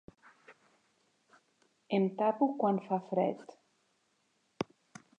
Em tapo quan fa fred.